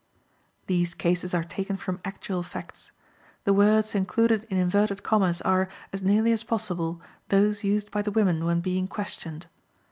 These cases are taken from actual facts. The words included in inverted commas are, as nearly as possible, those used by the women when being questioned.